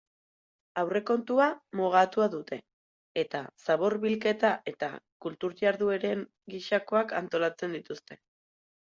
Aurrekontua mugatua dute eta zabor bilketa eta kultur jardueren gisakoak antolatzen dituzte.